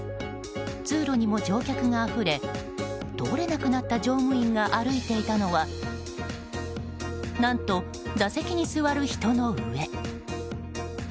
通路にも乗客があふれ通れなくなった乗務員が歩いていたのは何と、座席に座る人の上。